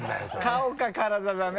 顔か体だね。